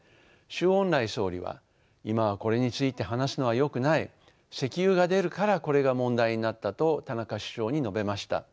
周恩来総理は今はこれについて話すのはよくない石油が出るからこれが問題になったと田中首相に述べました。